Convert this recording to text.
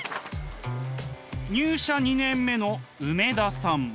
入社２年目の梅田さん。